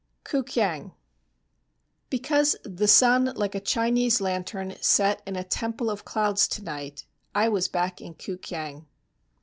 K'U KIANG Because the sun like a Chinese lantern Set in a temple of clouds tonight, I was back in K'u Kiang!